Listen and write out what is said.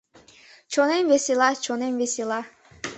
Чонем весела, чонем весела